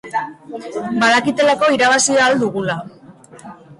Badakitelako irabazi ahal dugula.